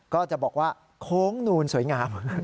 ก็จะบอกว่าโค้งนูนสวยงาม